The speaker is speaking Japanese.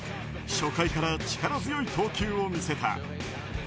初回から力強い投球を見せた。